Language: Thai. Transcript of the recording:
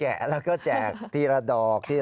นายยกรัฐมนตรีพบกับทัพนักกีฬาที่กลับมาจากโอลิมปิก๒๐๑๖